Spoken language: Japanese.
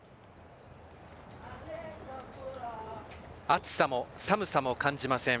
暑さも寒さも感じません。